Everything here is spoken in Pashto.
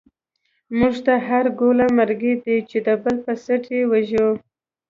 مونږ ته هر گوله مرگۍ دۍ، چی دبل په ست یی ژوو